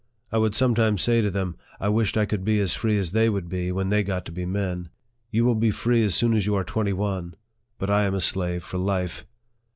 I would sometimes say to them, I wished I could be as free as they would be when they got to be men. " You will be free as soon as you are twenty one, but I am a slave for life